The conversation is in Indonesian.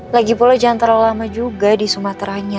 lagi pula jangan terlalu lama juga di sumateranya